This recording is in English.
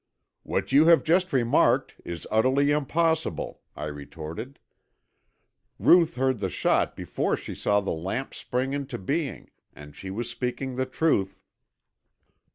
"What you have just remarked is utterly impossible," I retorted. "Ruth heard the shot before she saw the lamp spring into being, and she was speaking the truth."